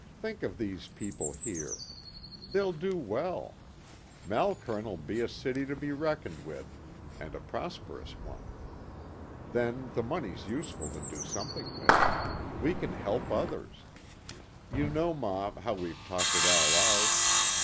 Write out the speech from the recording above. Think of these people here. They'll do well. Malkern'll be a city to be reckoned with, and a prosperous one. Then the money's useful to do something with. We can help others. You know, ma, how we've talked it all out."